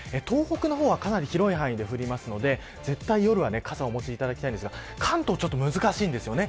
東北の方はかなり広い範囲で降りますので絶対に夜は傘をお持ちいただきたいのですが関東はちょっと難しいんです